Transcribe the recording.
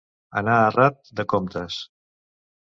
Anar errat de comptes.